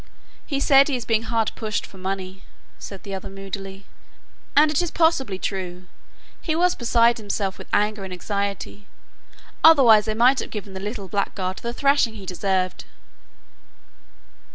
"He said he is being hard pushed for money," said the other, moodily, "and it is possibly true. He was beside himself with anger and anxiety, otherwise I might have given the little blackguard the thrashing he deserved."